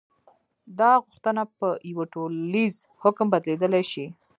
دا غوښتنه په یوه ټولیز حکم بدلېدلی شي.